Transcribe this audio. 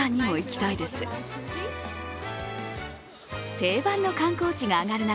定番の観光地が上がる中